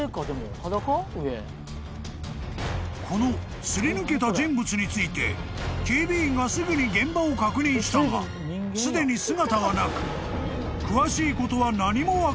［この擦り抜けた人物について警備員がすぐに現場を確認したがすでに姿がなく］